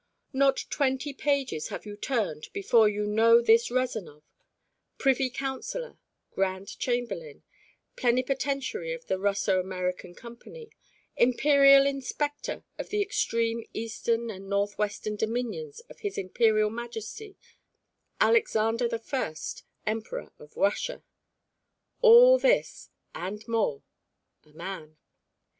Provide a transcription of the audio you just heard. Not twenty pages have you turned before you know this Rezanov, privy councilor, grand chamberlain, plenipotentiary of the Russo American company, imperial inspector of the extreme eastern and northwestern dominions of his imperial majesty Alexander the First, emperor of Russia all this and more, a man.